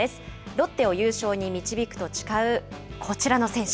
ロッテを優勝に導くと誓うこちらの選手。